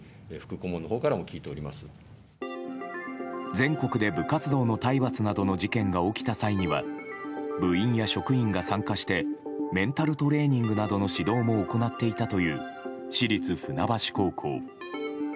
全国で部活動の体罰などの事件が起きた際には部員や職員が参加してメンタルトレーニングなどの指導も行っていたという市立船橋高校。